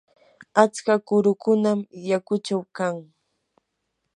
atska kurukunam yakuchaw kan.